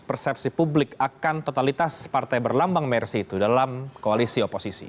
persepsi publik akan totalitas partai berlambang mersi itu dalam koalisi oposisi